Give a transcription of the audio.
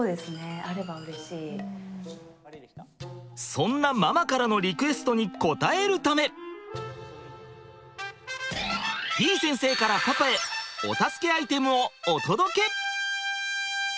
そんなママからのリクエストに応えるためてぃ先生からパパへお助けアイテムをお届け！